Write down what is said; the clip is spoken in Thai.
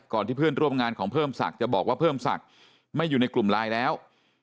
ที่เพื่อนร่วมงานของเพิ่มศักดิ์จะบอกว่าเพิ่มศักดิ์ไม่อยู่ในกลุ่มไลน์แล้ว